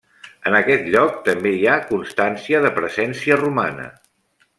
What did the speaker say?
En aquest lloc també hi ha constància de presència romana.